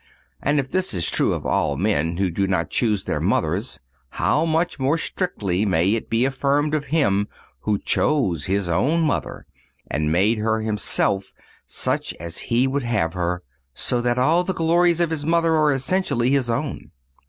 And if this is true of all men who do not choose their mothers, how much more strictly may it be affirmed of Him who chose His own Mother, and made her Himself such as He would have her, so that all the glories of His Mother are essentially His own.